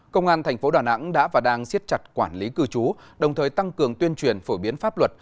công an thành phố đà nẵng đã và đang siết chặt quản lý cư trú đồng thời tăng cường tuyên truyền phổ biến pháp luật